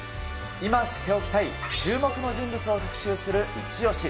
今、知っておきたい注目の人物を特集するイチオシ！